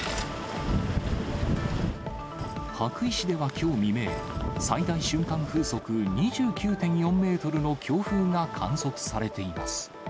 羽咋市ではきょう未明、最大瞬間風速２９．４メートルの強風が観測されています。